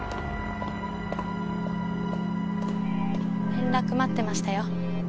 連絡待ってましたよ。